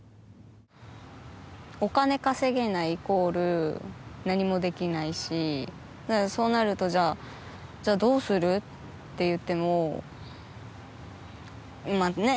お金稼げないイコール何もできないしそうなるとじゃあどうする？っていってもまあね